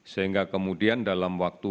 sehingga kemudian dalam waktu